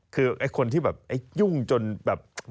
คือคนที่แบบยุ่งจนแบบ